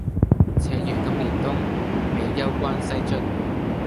且如今年冬，未休關西卒。